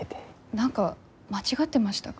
何か間違ってましたか？